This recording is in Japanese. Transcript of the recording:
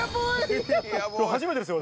今日初めてですよ